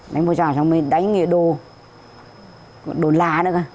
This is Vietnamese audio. đánh phố giảng xong mới đánh nghĩa đô đồn la nữa cơ